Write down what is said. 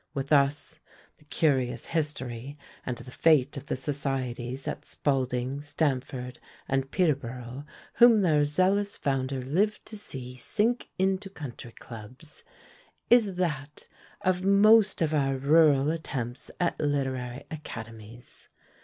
With us, the curious history and the fate of the societies at Spalding, Stamford, and Peterborough, whom their zealous founder lived to see sink into country clubs, is that of most of our rural attempts at literary academies!